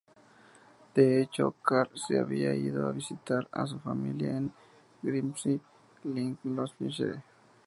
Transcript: De hecho, Carr se había ido a visitar a su familia en Grimsby, Lincolnshire.